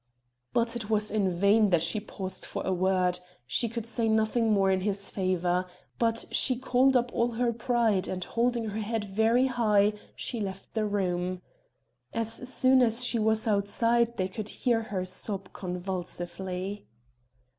But it was in vain that she paused for a word she could say nothing more in his favor; but she called up all her pride, and holding her head very high she left the room; as soon as she was outside they could hear her sob convulsively.